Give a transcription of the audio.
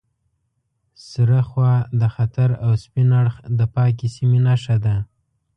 سره خوا د خطر او سپین اړخ د پاکې سیمې نښه ده.